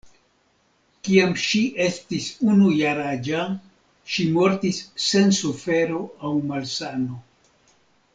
Kiam ŝi estis unu jaraĝa, ŝi mortis sen sufero aŭ malsano.